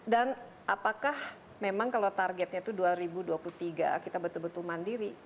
dan apakah memang kalau targetnya itu dua ribu dua puluh tiga kita betul betul mandiri